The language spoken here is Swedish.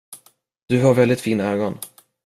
Du har väldigt fina ögon.